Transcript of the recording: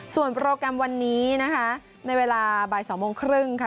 ส่วนโปรแกรมวันนี้นะคะในเวลาบ่าย๒โมงครึ่งค่ะ